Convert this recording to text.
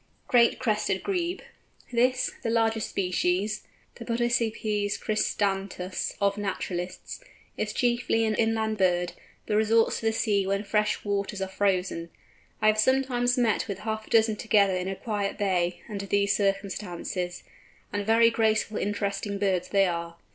GREAT CRESTED GREBE. This, the largest species, the Podicipes cristatus of naturalists, is chiefly an inland bird, but resorts to the sea when fresh waters are frozen. I have sometimes met with half a dozen together in a quiet bay, under these circumstances, and very graceful interesting birds they are.